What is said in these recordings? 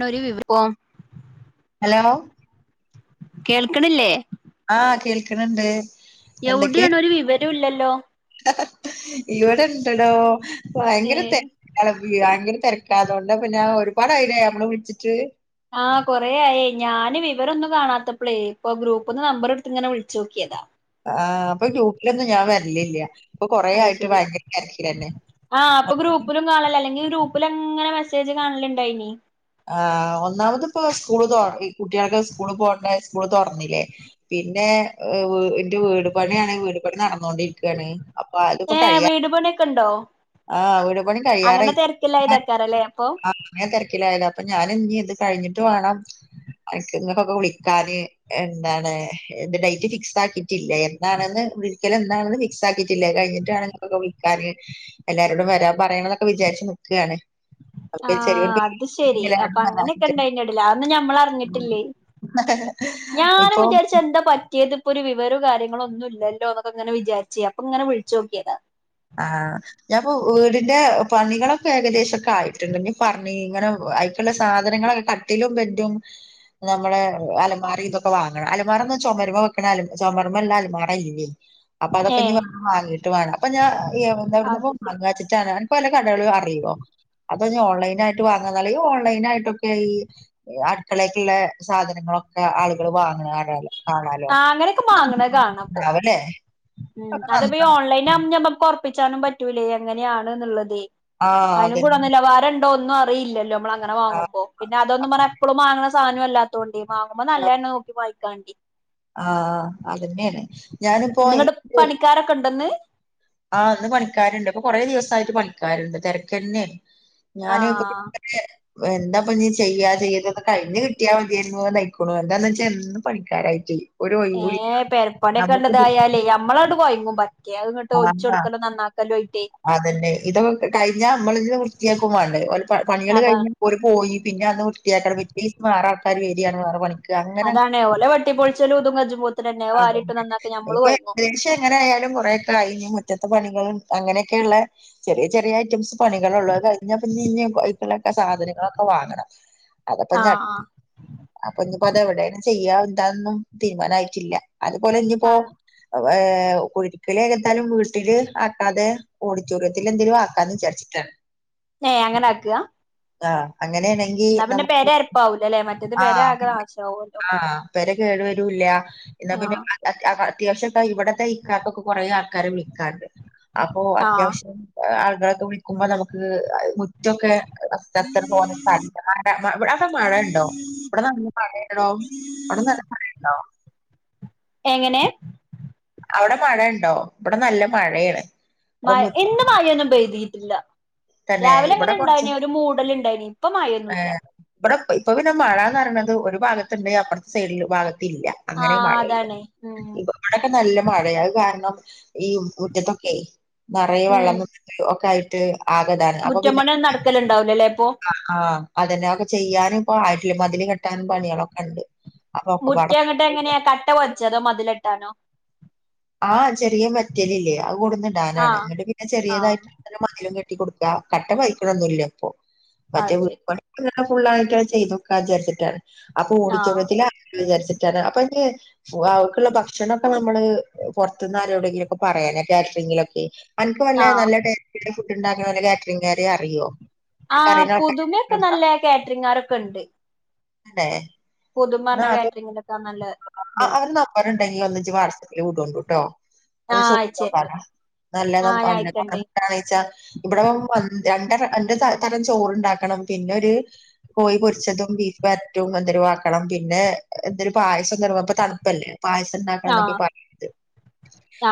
നൊരു വിവരവും ഹലോ കേൾക്ക്ണില്ലേ ആ കേൾക്ക്ണണ്ട് എവിടെയാണ ഒരു വിവരോ ഇല്ലല്ലോ ഇവിടെ ഇണ്ടടോ ഏ ഭയങ്കര തെരക്ക തിരക്ക അതുകൊണ്ട് പിന്നെ ഒരുപാടായില്ലെ നമ്മള് വിളിച്ചിട്ട് ആഹ കൊറയായി ഞാന് വിവരൊന്നും കാണാത്തപ്പളേ ഇപ്പൊ ഗ്രൂപ്പന്ന് നമ്പർ എടുത്ത് ഇങ്ങനെ വിളിച്ചു നോക്കിയതാ ആ ഇപ്പൊ ഗ്രൂപ്പിലൊന്നും ഞാൻ വരലില്ല ഇപ്പൊ കൊറേ അത് ആയിട്ട് ശെരി ഭയങ്കര തിരക്കിലന്നെ ആ അപ്പൊ ഗ്രൂപ്പിലും കാണലില്ല അല്ലെങ്കിൽ ഗ്രൂപ്പ ഗ്രുപ്പില്അങ്ങനെ മെസ്സേജ് കാണലുണ്ടായിന്ന് ആ ഒന്നാമത് ഇപ്പോ സ്കൂള് ത കുട്ടേളത് സ്കൂള് പോണ്ട സ്കൂള് തോറന്നില്ലേ പി ഇന്റെ ഇന്റെ വീട് പണിയാണ് വീട്പണി നടന്നോണ്ടിരിക്കുകയാണ് അപ്പൊ അതിപ്പോ കഴിയാം ക്കണ്ടോ ആ വീട് പണി കഴിയാറായി തിരക്കില്ലായതക്കാരല്ലേ അപ്പൊ ആ അങ്ങനെ തിരക്കിലായത അപ്പൊ ഞാൻ ഇനി ഇത് കഴിഞ്ഞിട്ട് വേണം നിങ്ങൾക്കൊക്കെ വിളിക്കാന് എന്താണ് എന്റെ ഡേറ്റ് ഫിക്സ് ആക്കിട്ടില്ല എന്താണെന്ന് വിരിക്കല് എന്താണെന്ന് ഫിക്സ് ആക്കിയിട്ടില്ല കഴിഞ്ഞിട്ടാണ് ഇ ങ്ങക്കൊക്കെ വിളിക്കാന് എല്ലാരോടും വരാൻ പറയണ എന്നൊക്കെ വിചാരിച്ച് നിക്കാണ് ആ അപ്പൊ ചെറിയൊരു അത് ശെരി അപ്പൊ എല്ലാരോടും അങ്ങനെയൊക്കെ വരാഞ്ഞിട്ട് ഇണ്ട് അതിന്റെ ഇടയിൽ അന്നും ഞമ്മൾ അറിഞ്ഞിട്ടില്ല ഞാനും ഇപ്പൊ വിചാരിച്ച എന്താ പറ്റിയത് ഇപ്പോരു വിവരോ ഇങ്ങള് ഒന്നും ഇല്ലല്ലോന്നൊക്കെങ്ങനെ വിചാരിച്ചേ അപ്പൊ ഇങ്ങനെ വിളിച്ചോക്കിയതാ ആഹ ഞാപ്പൊ വീടിന്റെ പണികളൊക്കെ ഏകെദേശൊക്കെ ആയിട്ട്ണ്ട് ഞ്ഞ് പറഞ്ഞി ഇങ്ങനെ അയ്ക്ക്ള്ള സാധനങ്ങള് കട്ടിലും ബെഡും നമ്മള് അലമാറി ഇതൊക്കെ വാങ്ങണം അലമാറന്ന ചുമര്മ വെക്ക്ണ അല ചുമര്മള്ള അലമാറ ഇല്ലയ്‌ അപ്പ അതൊക്കെ ഇഞ്ഞ് ഏഹ് വാണം വാങ്ങിട്ട് വേണം അപ്പഞ്ഞ എവിട്ന്ന് എവിട്ന്നാ അത് വാങ്ങാച്ച്ട്ടാ അനക്ക് വെല്ല കടേളും അറിയോ അതൊഞ്ഞ് ഓൺലൈനായിട്ട് വാങ്ങാനല്ലത് ഈ ഓൺലൈനായിട്ടൊക്കെ ഈ അട്ക്കളേക്ക്ള്ളെ സാധനങ്ങൾ ഒക്കെ ആളുകള് വാങ്ങ്ണ് കാണാലോ കാണാലോ ആഹ് അങ്ങനെയൊക്കെ വാങ്ങണ കാണാപ്പൊ ഉണ്ടാവല്ലേ ഉം അതപ്പോ ഈ ഓൺലൈനാവുമ്പോ നമ്മക്ക് ഒർപ്പിച്ചാനും പറ്റൂലേ എങ്ങനെയാണ്ന്ന്ള്ളത് ആഹ് അയ്‌ന് അതന്നെ ഗുണനിലവാരണ്ടോ ഒന്നും അറിയില്ലല്ലോ നമ്മള് അങ്ങന വാങ്ങുമ്പോ പിന്നെ അതൊന്നും പറഞ്ഞ എപ്പളും മാങ്ങ്ണ സാനുംല്ലാതോണ്ടി മാങ്ങുമ്പോ നല്ലന്നെ നോക്കി വാങ്ങി ക്കണ്ടി ആഹ അതിന്നെയാണ് ഞാനിപ്പോ നിങ്ങടെ ഇന്ക്ക് പണിക്കാരൊക്കെ ഉണ്ടെന്ന് ആഹ് ഇന്ന് പണിക്കാര്ണ്ട് ഇപ്പൊ കൊറെ ദിവസായിട്ട് പണിക്കാര്ണ്ട് തെര്ക്കെന്നേ ഞാന് ആഹ് എന്തപൊ ഞ്ഞ് ചെയ്യാ ചെയ്തക്കെ കഴിഞ്ഞ് കിട്ടിയാൽ മതിയാ യിക്കുണു എന്താന്ന് വെച്ചാ എന്നും പണിക്കാരായിട്ടേയ് ഏ പെരപണിയൊക്കെണ്ട്തായാലേ നമ്മളണ്ട് കോയങ്ങും ആഹ്ങ്ങട്ട് ഓയ്ച്ചോടുക്കലും നന്നാക്കലും ആയിട്ടേ അതന്നെ ഇതൊക്കെ കഴിഞ്ഞാ മ്മളെന്നേ വൃത്തിയാക്കും വണ്ടേ ഒലെ പണിയെള് അതാണ് കഴിഞ്ഞ് ഒര് പോയി പിന്നെ അന്ന് വൃത്തിയാക്കണം പിറ്റേയിസം വേറെ ആൾക്കാര് വേരാണ് വേറെ പണി ക്ക് അങ്ങനെ അതാണേ ഓലെ വെട്ടിപ്പൊളിച്ചലും ഇതും കജുമ്പോത്തിനന്നെ വാരിട്ട് അതന്നെ നന്നാക്കി ഞമ്മള് ഇപ്പേ കൊയങ്ങും ഏകദേഷ്യം എങ്ങനായാലും കൊറേകായി മുറ്റത്തെ പണികളും അങ്ങനെയൊക്കെള്ള ചെറിയ ചെറിയ ഐറ്റംസ് പണികളൊള്ളൂ ആഹ് കഴിഞ്ഞ പിന്നെന് സാധനങ്ങളൊക്കെ വാങ്ങണം അതാപ്പഞ്ഞട് ആഹ് അപ്പൊഞ്ഞ്പ്പോ അത് എവിടെണ് ചെയ്യാ എന്താന്നും തിര്മാനായിട്ടില്ല അത്പോലെഞ്ഞ്പ്പോ ആഹ് കുടി രികല് ഏതാലും വീട്ടില് ആക്കാതെ ഓഡിറ്റോറിയത്തില് എന്തേലും ആക്കാന്ന് വിചാരിച്ചിട്ടാ ഏയ് അങ്ങനെ ആക്ക്ഹ അങ്ങനേണെങ്കി നമ്മക്ക് അരപ്പാവൂലല്ലേ മറ്റേത് ആ പെര ആകെ നാശാവല്ലോ ആ പേര കേടു വരുല്ല ന്നാ പിന്നെ ആഹ് അത്യാവശ്യപാ ഇവടത്തെ കുറെ ആൾക്കാരെ വിളിക്കാണ്ട് അപ്പൊ ആഹ് അത്യാവശ്യം ആൾ കരൊക്കെ വിളിക്ക്മ്പോ നമുക്ക് മുറ്റൊക്കെ ഫസ്റ്റ് അത്ര പോന്ന സ്ഥല [unintelligible] മ ഇവ അവടെ മഴ ഇണ്ടോ ഇവടെ നല്ല മഴാണെടോ അവടെ നെലം മഴ ഇണ്ടോ എങ്ങനെ അവിടെ മഴ ഇണ്ടോ ഇവടെ നല്ല മഴയെണ് മയ് ഇന്ന് മയൊന്നും പെയ്തീട്ടില്ല തന്നെ രാവിലെ ഇവിടെ ഇങ്ങനെ കൊറച്ച് ഇണ്ടായിനി ഒരു മൂടല് ഇണ്ടായിനി ഇപ്പ മയോന്നുല്ല ഏഹ് ഇവിടെ ഇപ്പൊ പിന്നെ മഴാന്ന്റിണത് ഒരു ഭാഗത്ത്ണ്ട് അപ്പറത്തെ സൈഡില് ഭാഗ ത്ത്ല്ല അങ്ങനെ ആഹ് മഴയ്യാ അതാണ് ഉം ഇബടപ്പോ നല്ല മ യെ അഹ് കാരണം ഈ മുറ്റത്തൊക്കെ നറെയ് ഉം വള്ളം നിന്ന്ട്ട് ഒക്കായിട്ട് ആകതാണ് മുറ്റം അപ്പൊപിന്നെ പണിയൊന്നും നടക്കലുണ്ടാവൂലല്ലേ ഇപ്പൊ ആഹ് ആഹ് അതന്നെ അത് ഒക്കെ ചെയ്യാനും ഇപ്പാ ആയിട്ടില്ല മതില് കെട്ടാനും പണിയാളൊക്കെ ഇണ്ട് മുറ്റഇങ്ങട്ട് എങ്ങനെ കട്ട പതിച്ചതോ മതിലെട്ടാനോ- ആഹ് ചെറിയ മേറ്റലില്ലേ അത് കൊട്ന്ന് ഇടാനാണ് ആഹ് ഇങ്ങട്ട് പിന്നെ ആഹ് ചെറിയതായിട്ട് മതിലും കെ ട്ടികൊട്ക്ക കട്ടപ്പയിക്ക്ണൊന്നും ഇല്ലപ്പൊ അത് മറ്റേവീട് ശരി പണിക്ക് ഇങ്ങനെ ഫുള്ളായിറ്റ് ചെയ്തോക്ക വിചാരിച്ച്ട്ടാണ് അപ്പൊ ആഹ് ഓഡിറ്റോറിയത്തില് ആക്ക്ണ് വിചാരിച്ച് ട്ടാണ് അപ്പന്ന് ഇഹ് ഫു അവക്ക്ള്ള ഭക്ഷണം ഒക്കെ നമ്മള് പോർത്ത്ന്ന് ആരോടെങ്കിലും ഒക്കെ പറയാനാ കാറ്ററിംഗിലൊക്കെ അനക്ക് വല്ല ആഹ് നല്ല ടെസ്റ്റ്ള്ള ഫുഡ് ഇണ്ടാക്ക്ണോല് അല്ലേ കാറ്റ്റിംഗ് അറിയോ ആഹ് പുതുമയൊക്കെ നല്ല [unintelligible] കാറ്ററിംഗാരൊക്കെ ഇണ്ട് [unintelligible] പുതുമ പർഞ കാറ്ററിങ്ങിലൊക്കെ നല്ല ആഹ് ഇത്ണ്ട് അവര് നമ്പർ ഉണ്ടെങ്കിൽ ഒന്നച്ച് വാട്സആപ്പില് വിടോണ്ടുട്ടോ ആഹ് അയിച്ചേരാ നല്ലത കണച്ചാ ഇവിടെ [unintelligible] രണ്ട് തരം ചോറ്ണ്ടാക്കണം പിന്നെ ഒരു കോഴി പൊരിച്ചതും ബീഫ് [unintelligible] കാട്ടണം പിന്നെ എന്തല പായസംറങ്ങപ്പ തണുപ്പല്ലേ പായസം ഉണ്ടാക്കണം എന്നൊക്കെ ആഹ് പറത്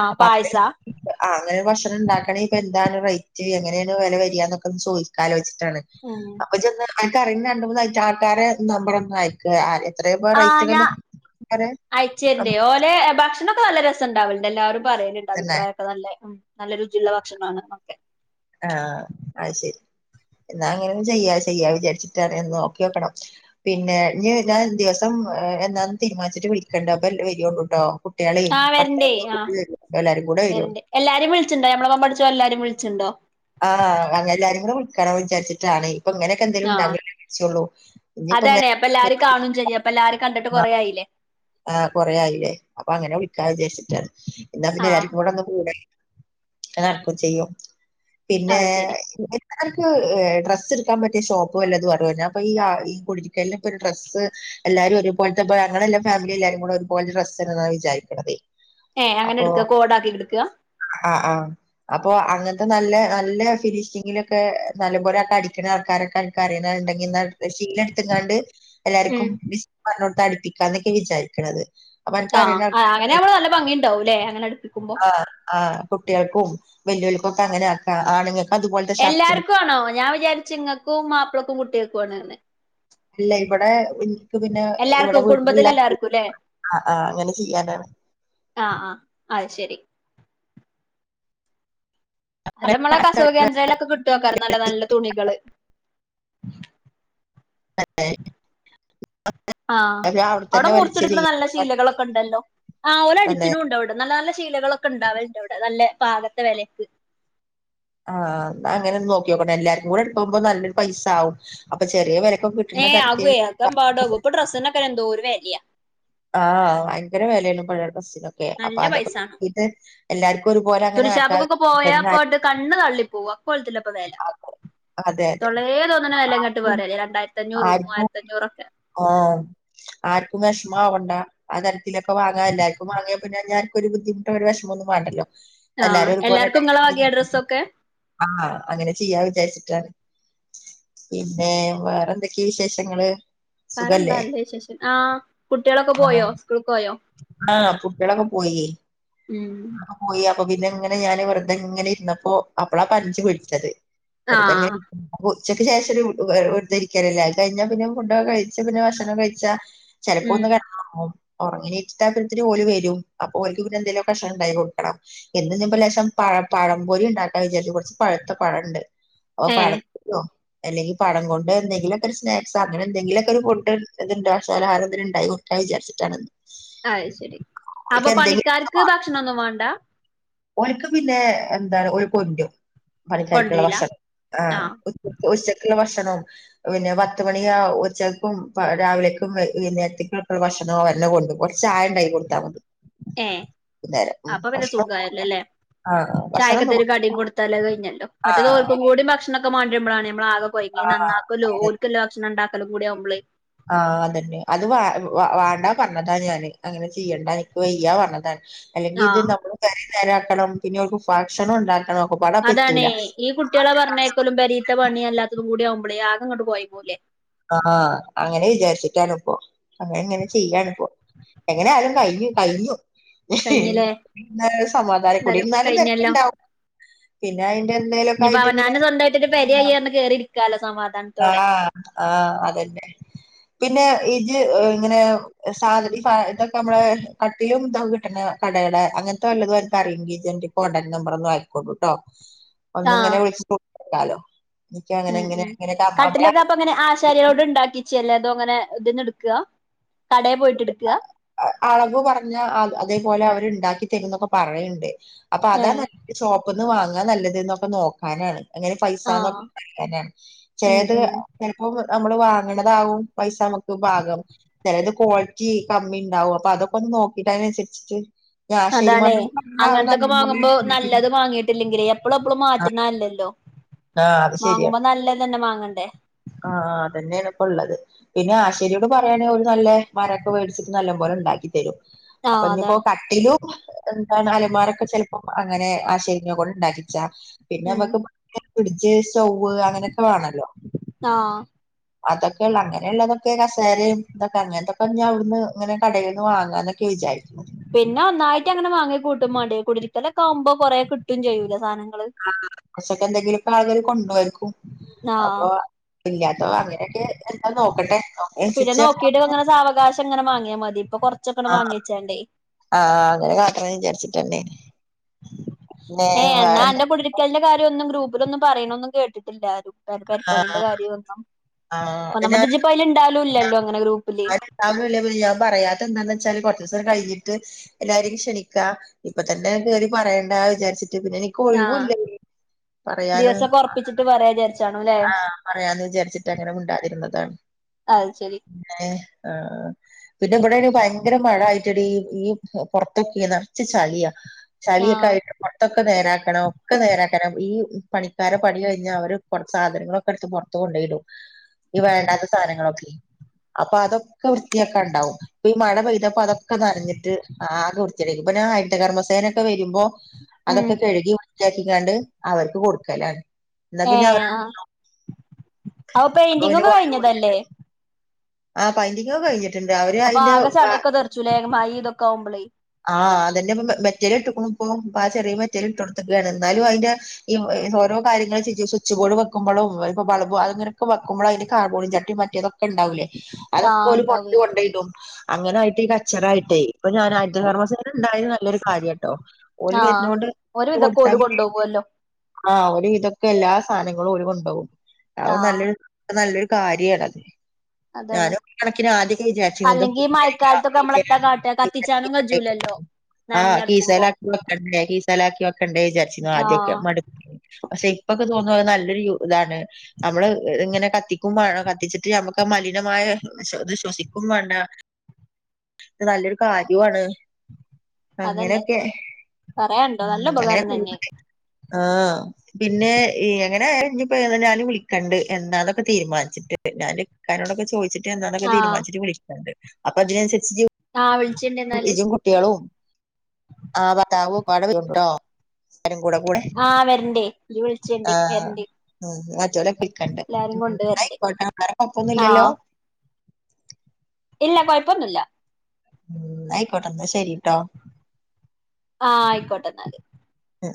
ആഹ് അപ്പ അങ്ങനെ പായസാ ഭക്ഷ ഭക്ഷ ഉണ്ടാക്കണെ ഇപ്പൊ എന്താണ് റേറ്റ് എങ്ങനെയാണ് വില വരിയ എന്നൊക്കെ ഒന്ന് ചോദിക്കാലോച ഉം അപ്പൊ അൻക്ക് ആറിയുന്ന രണ്ട് മൂന്നഴട്ട ആൾക്കാരെ നമ്പറന്ന ആ എത്ര പേർ ആഹ് ഞാൻ അയിച്ചേരണ്ട് ഓലെ ഭക്ഷണൊക്കെ നല്ല രസം ഉണ്ടാവണ്ട് എല്ലാരും പറയല്ണ്ട് തന്നെ അഭിപ്രായൊക്കെ നല്ല നല്ല രുചിയുള്ള ഭക്ഷണമാണ് ഒക്കെ ആഹ് അഹ് ശരി എന്നാ അങ്ങനെ ചെയ്യാ ചെയ്യാ വിചാരിച്ചിട്ട്ന്ന് നോക്കി വെക്കണം പിന്നെ [unintelligible] ദിവസം എന്നന്ന് തീരുമാനിച്ചിട്ട് വിളിക്കണ്ട് അപ്പൊ വരോണ്ടുട്ടോ കുട്ടികളിം ആഹ് വരണ്ടേ ആഹ് എല്ലാരും കൂടെ വരു വരണ്ട് എല്ലാരും വിളിച്ചിണ്ടോ നമ്മളൊപ്പം പഠിച്ചോ എല്ലാരും വിളിച്ചിണ്ടോ ആഹ് അനെ എല്ലാരും കൂടി വിളിക്കണം വിചാരിച്ചിട്ടാണ് ഇപ്പ ഇങ്ങനെയൊക്കെ എന്തേലും ആഹ് ഉണ്ടാവുമ്പല്ലേ വിള്ച്ചൊള്ളു ഇനിയിപ്പോ ഇങ്ങ അതാണ് അപ്പൊ എല്ലാരും കാണും ചെയ്യും അപ്പൊ എല്ലാരും കണ്ടിട്ട് കൊറ ആയില്ലേ ആഹ് കുറെയായില്ലേ അപ്പൊ അങ്ങനെ വിളിക്കാ വിജാര്ച്ചിട്ടാണ് എന്നാ പിന്നെ ആഹ് എല്ലാവർക്കും കൂടെ ഒന്ന് കൂടെ [unintelligible] നട്ക്കും ചെയ്യും പിന്നെ അത് ശരി അൻക്ക് ഡ്രസ്സ് എട്ക്കാൻ പറ്റിയ ഷോപ്പ് വല്ലതും അറിയോ അപ്പൊ ഈ കുടിര്ക്കല്ലാം ഇപ്പൊ ഒരു ഡ്രസ്സ് എല്ലാരും ഒരുപോലത്തെ ഇ ഞങ്ങളെല്ലാം ഫാമിലി എല്ലാരും കൂടെ ഒരുപോലത്തെ ഡ്രസ്സാണ് വിചാരിക്കണ്ന്നത് ഏഹ് അങ്ങനെ എട്ക്ക കോഡാക്കി എട്ക്കാ ആഹ് ആഹ് അപ്പൊ അങ്ങനത്തെ നല്ല നല്ല ഫിനിഷിങ്ങിലൊക്കെ നല്ലപോലൊക്കെ അടിക്ക്ണ ആൾക്കാര അൻക്കാ അറിയണ്ടെങ്കിൽ ശീല എടുത്ത്ങ്ങാണ്ട് ഉം എല്ലർക്കും പറഞ്ഞോട്ട് അടുപ്പിക്കാ എന്നൊക്കെ വിചാരിക്ക്ണത് ആഹ് ആഹ് അങ്ങനെ ആവുമ്പോ നല്ല ഭംഗിയുണ്ടാവുംല്ലേ അങ്ങനെ അടുപ്പിക്കുമ്പോ ആ ആ കുട്ടികൾക്കും വെല്ലുവൽക്കും അങ്ങനാക്ക ആണ്ങ്ങ എല്ലാർക്കും ആണോ ഞാൻ വിചാരിച്ച് ഇങ്ങൾക്കും മാപ്പിളക്കും കുട്ടികൾക്കും ആണ്ന്ന് അല്ല ഇവിടെ എനിക്ക് പിന്നെ ഇവിടെ എല്ലാർക്കും കുടുംബത്തിലെ വീട്ടിലെ എല്ലാർക്കും ല്ലേ ആ ആ അങ്ങനെ ചെയ്യാനാണ് ആ ആ അ ശെരി അത്മ്മളെ കസവ കേന്ദ്രൽൊക്കെ കിട്ടു വെക്കാറ് നല്ല നല്ല തുണികള് [inaudible] അതെ ആ അവിടെ മുറിച്ചെടുക്കണ ചെയ്യ നല്ല ശീലകളൊക്കെ ഉണ്ടല്ലോ ആഓല തന്നെ അടിച്ചിട്ടും ഉണ്ട് അവിടെ നല്ല നല്ല ശീലകളൊക്കെ ഉണ്ടാവലണ്ട് ഇവിടെ നല്ല പാകത്തെ വിലക്ക് ആ അങ്ങനെ ഒ നോക്കി നോക്കെ എല്ലാർക്കും കൂടെ എടുക്കുമ്പോ നല്ലൊരു പൈസ ആകും അപ്പൊ ചെറിയ വര ഏ ആകുവേ ആക്കാ പാടക ഇപ്പൊ ഡ്രസ്സൊക്കെ എന്തോ ഒരു വരിയ ആ ഭയങ്കര വിലയള്ള പഴയയുടെ ബസ്സിനൊക്കെ അപ്പൊ അതൊക്കെ നട്ട് എല്ലാർക്കും ഒരുപോലെ അങ്ങനെ ആക്കാ തുണശാപ്പക്കൊക്കെ പോയാപ്പോയിട്ട് കണ്ണ് തള്ളി പോക അ കൊലത്തില്ലപ്പൊ വേല അതെ അതെ തൊളേ തോന്നണ വിലംങ്ങെട്ട് പറയാല്ലേ രണ്ടായിരത്തി അഞ്ഞൂറ് മൂവായിരത്തി അഞ്ഞൂറൊക്കെ ആ ആർക്കും വിഷമമാവണ്ട ആ തരത്തിലൊക്കെ വാങ്ങാ എല്ലാവർക്കും വാങ്ങ പിന്നെ ഞർക്കൊരു ബുദ്ധിമട്ട് ഒരു വശമൊന്നും വേണ്ടല്ലോ ആഹ് എല്ലാരും ഒരുപോലെ എല്ലാർക്കും ഇങ്ങളെ വകയാ ഡ്രസ്സൊക്കെ ആ അങ്ങനെ ചെയ്യാ വിചാരിച്ചിട്ടാണ് പിന്നെ വേറെ എന്തൊക്കെയ വിശേഷങ്ങള് വേറെ സുഖല്ലേ എന്താല്ലേ വിശേഷം ആ കുട്ടികളൊക്കെ പോയോ സ്കൂൾക്ക് പോയോ ആ കുട്ടികളൊക്കെ പോയി ഉം പോയി അപ്പൊ പിന്നെ എങ്ങനെ ഞാൻ വെറുതെ ഇങ്ങനെ ഇര്ന്നപ്പോ അപ്പളാപ്പം അഞ്ചു വിളിച്ചത്. വെറുതെങ്ങെ ആഹ് ഇരിക്ക ഉച്ചക്ക് ശേഷം വെറുതെ ഇരിക്കല് ല്ലേ അത് കഴിഞ്ഞാ പിന്നെ ഫുടൊക്കെ കഴി പിന്നെ ഭക്ഷണം കഴിച്ചാ ചെലപ്പോ ഉം ഒന്ന് കെടന്നു ഉറങ്ങിണീറ്റിട്ട് ആവുബോത്തിന് ഓല് വരും അപ്പൊ ഓല്ക്ക് പിന്നെ എന്തെകിലുക്കെ ഭക്ഷണം ഉണ്ടാക്കികൊടുക്കണം ഇന്ന് ഇഞ്ലേശം പഴം പഴംപൊരി ഉണ്ടാക്കാ വിചാരിച്ച് കൊറച്ച് പഴുത്ത പഴണ്ട്. അപ്പൊ ഏഹ് പഴംപൊരിയൊ അല്ലെങ്കിൽ പഴം കൊണ്ട് എന്തെങ്കിലുമൊക്കെ സ്നാക്സ് അങ്ങനെ എന്തെങ്കില കൊണ്ട് എന്തെങ്കിലും സാധനംഉണ്ടാക്കിക്കൊടുക്കാ വിചാരിച്ചിട്ടാണ്. അത് ശരി അപ്പൊ ഓൽക്ക് പണിക്കാർക്ക് ഭക്ഷണം ഒന്നും വാണ്ട. ഓനക്ക് പിന്നെ എന്താ ഓല് കൊണ്ടരും. പണിക്കാർക്കുള്ള കൊണ്ടരില്ല ഭക്ഷണം ആ ആഹ് ഉച്ചക്കുള്ള ഭക്ഷ ഭക്ഷണും പിന്നെ പത്തുമണി ഉച്ചക്കും രാവിലേക്കും വൈനേരത്തക്കക്കുള്ള ഭക്ഷണും അവര് തന്നെ കൊണ്ടരും കൊറച്ച് ചായണ്ടാക്കി കൊടുത്താ മതി. ഏ വൈകുന്നേരം ഉം അപ്പൊ പിന്നെ ഭക്ഷണം സുഖായിരു അല്ലെ ആഹ് ഭക്ഷണം ഒന്നും ചായക്കത്തേങ്കിലും കടിയും കൊടുത്താല് അത് കഴിഞ്ഞല്ലോ മറ്റത് ആഹ് ഓല്ക്കും കൂടി ഭക്ഷണൊക്കെമാണ്ടിരുമ്പളാണ് നമ്മളാകെ കൊഴങ്ങി നന്നാക്കലും ആഹ് ഓൽക്ക്‌ല്ല ഭക്ഷണം ഉണ്ടാക്കല് കൂടി ആവുബള് ആ അതന്നെ അത് വാ വ വാണ്ടാ പറഞ്ഞതാ ഞാന് അങ്ങനെ ചെയ്യണ്ട ഇൻക്ക് വയ്യാ പറഞ്ഞതാണ്. അല്ലെങ്കി ഇത് ആഹ് നമ്മള് പെരിം തരാക്കണം പിന്നെ ഓൽക്ക് ഭക്ഷണം ഉണ്ടാക്കണം. ഒക്കെപ്പാടെ അപ്പൊ അതാണേ എത്തൂല ഈ കുട്ടികളെ പറഞ്ഞേക്കലും പെരീത്ത പണിം അല്ലാത്തത് കൂടിയാകു ബളെ ആകങ്ങട്ട് കൊയങ്ങൂലെ. ആ അങ്ങനെ വിചാരിച്ചിട്ടാണ് പ്പോ അങ്ങനെ ഇങ്ങനെ ചെയ്യാണ് പ്പോ. എങ്ങനെ ആയാലും കഴിഞ്ഞു കഴിഞ്ഞു. കഴിഞ്ഞില്ലേ ന്നാലും ഒരു സമാധാനം എന്തായാലും കൂടിര്ന്നാലും കഴിഞ്ഞല്ലോ തിരക്കുണ്ടാവും പിന്നെ അയിന്റെ എന്തേകിലൊക്കെ ഇനിയിപ്പോ ആയിട്ട് ഇങ്ങനെ അവനാന് സ്വന്തായിട്ടൊരു പെരയായി തെരക്കുണ്ടാവും. പറഞ്ഞ് കേറി ഇരിക്കാലോ ആ സമാധാനത്തോടെ ആ അതന്നെ. പിന്നെ ഇജ്ജ് ഇങ്ങനെ സാധനഈ ഇതൊക്കെ നമ്മുടെ കട്ടിലും ഇതൊക്കെ കിട്ടണ കട അങ്ങനത്തെ വല്ലതും അനക്ക് അറിയങ്കി ഇജ്ജ് അയിന്റെ കോൺണ്ടാക്ട് നമ്പർ ഒന്ന് ആയിക്കോണ്ടുട്ടോ. ഒന്ന് ആഹ് ഇങ്ങനെ വിളിച്ച് നോക്കാലോ എനിക്ക്‌ അങ്ങനെ ഉം ഇങ്ങനെ. ഉം ഇങ്ങനെ നമ്മളെ കട്ടിലൊക്കെ അപ്പൊ ഇങ്ങനെ ആശാരികളോട് ഇണ്ടാക്കിച്ചല്ലേ. അതോ ങ്ങനെ ഇതിന്ന് ഇടുക്കാ കടയൽ പോയിട്ട് ഇടുക്കാ. അളവ് പറഞ്ഞ അതേപോലെ അവര്ണ്ടാക്കി തരുന്നൊക്കെ പറയ്ണ്ട്. അപ്പൊ ഏ അതാ നല്ലത് ഷോപ്പ് നിന്ന് വാങ്ങാ നല്ലത് ന്നൊക്കെ നോക്കാനാണ്. എങ്ങനെ ആഹ് പൈസന്നൊക്കെ അറിയാനാണ് ഉം ചെലേത് ഉം ചെലപ്പോ നമ്മള് വാങ്ങണതാകും പൈസ നമുക്ക് പാകം ചേലേത് ക്വാളിറ്റി കമ്മി ഉണ്ടാവും അപ്പൊ അതൊക്കെ ഒന്ന് നോക്കിട്ട് അതിനനുസരിച്ചിട്ട് ഞാൻ അതാണേ ശരിമാനോട് പറഞ്ഞാ അവര് അങ്ങനത്തൊക്കെ നല്ലപോലെ വാങ്ങുമ്പോ നല്ലത് വാങ്ങിട്ടില്ലെങ്കിലേ എപ്പളും എപ്പളും മാറ്റണ അല്ലല്ലോ. ആ അത് ശരിയാ. ന്നെ വാങ്ങണ്ടേ. ആ അതന്നെയാണ് ഇപ്പള്ളത് പിന്നെ ആശ്ശേരിയോട് പറയയാണെൽ ഓല് നല്ല മരമൊക്കെ മേടിച്ചി നല്ല ഓലുണ്ടാക്കി തരും അപ്പോ ആഹ് ഇഞ് അതാ ഇപ്പോ കടട്ടിലും എന്താണ് അലമാരക്കെ ചെലപ്പോ അങ്ങനെ ആശാരിനെ കൊണ്ട് ഇണ്ടാക്കിച്ച പിന്നെ ഉം നമുക്ക് ഫ്രിഡ് ആ അതൊക്കെയ ഉള്ള അങ്ങനെയുള്ളതൊക്കെ കസേരയും ഇതൊക്കെ അങ്ങനത്തൊക്കെ ഇഞ് അവിടുന്ന് ഇങ്ങനെ കടേന്ന് വാങ്ങാന്ന പിന്നെ ഒന്നായിട്ട് അങ്ങനെ വാങ്ങി കൂട്ടുമാണ്ടേ കുടരിക്കലക്ക ആവുമ്പോ കൊറേ കിട്ടും ചെയ്യൂല സാധനങ്ങ ആ കുറച്ചൊക്കെ എന്തെങ്കിലക്കെ ആളുകളെ കൊണ്ടരും. ആഹ് അപ്പൊ ഇല്ലാത്ത അങ്ങനെയൊക്കെ എന്താ നോക്കട്ടെ. പിന്നെ അതിനനുസരിച്ച് നോക്കിട്ട് ഇങ്ങനെ സാവകാശം എങ്ങനെ വാങ്ങിയാ മതി. കൊറച്ചൊക്കെണ് ആ വാങ്ങിച്ചാണ്ടേ ആ അങ്ങനെ കാട്ടണം വിചാരിച്ചിട്ടന്നെ. പിന്നെ ഏ എന്നാ വേറെന്താ അന്റെ കുടരിക്കലിന്റെ കാര്യം ഒന്നും ഗ്രൂപ്പിലൊന്നും പറയണൊന്നും കേട്ടിട്ടില്ലാരും. ആ പെരിപ്പണിന്റെ കാര്യമൊന്നും ആ ഇപ്പൊ അതിനാ നമ്മജിപ്പ അയില് ഇണ്ടാലും ഇല്ലല്ലോ അങ്ങനെ ഗ്രൂപ്പില്. [unintelligible] ഞാൻ പറയാത്ത എന്താന്ന്ച്ചാല് കൊറച്ച് ഈസം കഴിഞ്ഞി എല്ലാരേം ക്ഷണിക്ക ഇപ്പ തന്നെ കേറി പറയേണ്ട വിചാരിച്ചി പിന്നെ എനിക്ക് ആഹ് ഒഴിവുംഇല്ലയ്നി പറയാനും ദിവസൊക്കെ ഒറപ്പിച്ചിട്ട് പറയാ വിചാരിച്ചാണു ല്ലേ ആഹ് പറയാന്ന് വിചാരിച്ചിട്ട് അങ്ങനെ മിണ്ടായിതിരുന്നതാണ് അത് ശെരി ആ പിന്നെ ഇബടാണെ ഭയങ്കര മഴ ആയിട്ട് എടി ഈ ഈ പൊറത്തൊക്കെ നെറച്ച് ചളിയാ ചളിയൊക്കെ ആഹ് ആയിട്ട് പൊറത്തൊക്കെ നേരാക്കണം ഒക്കെ നേരാക്കണം ഈ പണിക്കാരെ പണി കഴിഞ്ഞാ അവര് പൊട്ടാ സാധനങ്ങളൊക്കെ ടുത്ത് പൊറത്ത് കൊണ്ടയിടും ഈ വേണ്ടാത്ത സാധനങ്ങളൊക്കെ അപ്പൊ അതൊക്കെ വൃത്തിയാക്കാണ്ടാവും ഇപ്പൊ ഈ മഴ പെയ്തപ്പോ അതൊക്കെ നനഞ്ഞിട്ട് ആകെ വൃത്തികേടായ്ക്കും നാ ഹരിത കർമസേന ഒക്കെ വരു മ്പോ ഉം അതൊക്കെ കഴുകി വൃത്തിയാക്കിക്കാണ്ട് അവർക്ക് കൊടുക്കലാണ് എന്നാ ഏ പിന്നെ അവ ആ അവ പെയിന്റിങ്ങ് പിന്നെ ഒക്കെ കൊറേ കഴിഞ്ഞതല്ലേ ആ പൈന്റിങ്ങ് ഒക്കെ കഴിഞ് ട്ട്ണ്ട് അവര് അപ്പൊ അയിന്റെ ആകെ ബ ചളിയൊക്കെ തെറിച്ചുലേ മഴ ഇതൊക്കെ ആവുമ്പളേ ആഹ് ദന്നെ മെ മെ മെറ്റല് ഇട്ടക്ക്‌ണു ഇപ്പം ഇപ്പാ ചെറിയ മെറ്റൽ ഇട്ട്കൊടുത്തക്കാണ് എന്നാലും അയിന്റെ ഈ ഓരോ കാര്യങ്ങ ത് ശെരിയാ സ്വിച്ച് ബോർഡ് വക്ക്‌മ്പളും ഇപ്പോ ബൾബ് അതിങ്ങനൊക്കെ വക്കുമ്പഴ്‌ അയിന്റെ കാർബോടി ചട്ടയും മറ്റേതൊക്കെണ്ടാവും അതൊക്കെ ആഹ് ഓല് ഇണ്ടാവേ പൊറത്ത് കൊണ്ടയിടും അങ്ങനായിട്ട് ഈ കച്ചറ ആയിട്ടേ ഇപ്പ ഞാൻ ഹരിത കമ്മസേന ഉണ്ടായത് നല്ലൊരു കാര്യട്ടോ ഓല് ആഹ് വരുന്ന കൊണ്ട് ഒരു വിധൊക്കെ കൊട്ത്താ ഓല് പിന്നെ കൊണ്ടോവല്ലോ ആഹ് ഓല് ഇതൊക്കെ എല്ലാ സാനങ്ങളും ഓല് കൊണ്ടോവും അത് ആഹ് നല്ലൊരു അത് നല്ലൊരു കാര്യണത് അതാണ് ഞാനും ഇക്കണക്കിന് ആദ്യക്കെ വിചാരിച്ചിന്നത് അല്ലെങ്കി ഈ മഴക്കാലത്തൊക്കെ നമ്മളെത്താ കാട്ടാ കത്തിച്ചാനും കജൂലല്ലോ [unintelligible] ആഹ് നനഞ്ഞടുക്കുമ്പോ കീസേലാക്കി വെക്കണ്ടേ കി ക്കണ്ടേ വിചാരിച്ചിന്നു ആദ്യക്കെ ആഹ് മട് ഇപ്പക്കെ തോന്നും ത് നല്ലൊരു ഇതാണ് നമ്മള് ഇങ്ങനെ കത്തിക്കുമ്പആണോ കത്തിച്ചിട്ട് ഞമ്മക്ക് മ മലിനമായ ത് ശ്വസിക്കും വണ്ട പിന്നെ നല്ലൊരു കാര്യവാണ് അതന്നെ അങ്ങനെഒക്കെ പറയാണ്ടോ നല്ല ഉം ഉപകാരം അങ്ങനെപൂ തന്നെ [unintelligible] ആഹ് പിന്നെ എങ്ങനെ ഞ്ഞിപ്പ ഞാന് വിളിക്കണ്ട് എന്താനൊക്കെ തീരുമാനിച്ചിട്ട് ഞാൻ ഇക്കാനോട്‌ ഒക്കെ ചോയിച്ചിട്ട് എന്താന്നൊക്കെ തീരുമാനിട്ട് വിളിക്കണ്ട് അപ്പ അതിനനുസരിച്ച് ആ വി ഇജും കുട്ടികളും ആ ഭത്താവും ഒക്കപാടെ വരുണ്ട് ട്ടൊ ആഹ് വരണ്ടേ ഇയ്യ് വിളിച്ചണ്ടി ആഹ് വരണ്ടി ഉം മറ്റോലെക്കെ വിളിക്കട്ടെ ന്നാ വരണ്ട് അയ്ക്കോട്ടേ വേറെ കൊയപ്പൊന്നുല്ലല്ലോ ആഹ് ഇല്ല കൊയപ്പൊന്നുല്ല ന്നാ ആയിക്കോട്ടെ ന്നാ ശെരിട്ടോ ആഹ് ആയിക്കോട്ടെ എന്നാല് ഉം